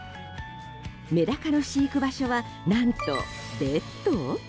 メダカの飼育場所は何と、ベッド？